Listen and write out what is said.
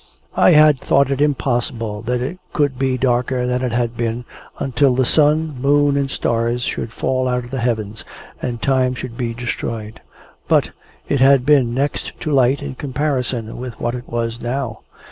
I had thought it impossible that it could be darker than it had been, until the sun, moon, and stars should fall out of the Heavens, and Time should be destroyed; but, it had been next to light, in comparison with what it was now.